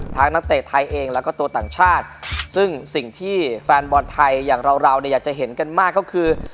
นักเตะไทยเองแล้วก็ตัวต่างชาติซึ่งสิ่งที่แฟนบอลไทยอย่างเราเราเนี่ยอยากจะเห็นกันมากก็คือ